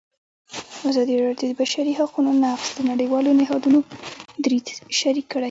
ازادي راډیو د د بشري حقونو نقض د نړیوالو نهادونو دریځ شریک کړی.